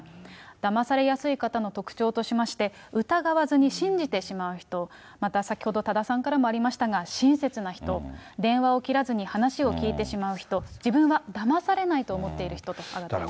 だまされやすい人の特徴としまして、疑わずに信じてしまう人、また先ほど多田さんからもありましたが親切な人、電話を切らずに話を聞いてしまう人、自分はだまされないと思っている人と挙げています。